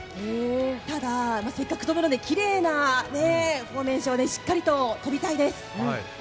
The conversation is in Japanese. ただ、せっかく飛ぶのできれいなフォーメーションでしっかりと飛びたいです。